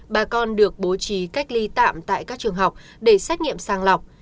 bà con được bố trí cách ly tạm tại các trường học để xét nghiệm sàng lọc